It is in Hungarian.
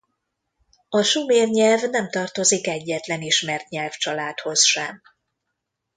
A sumer nyelv nem tartozik egyetlen ismert nyelvcsaládhoz sem.